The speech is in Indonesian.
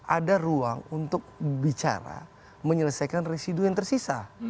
ada ruang untuk bicara menyelesaikan residu yang tersisa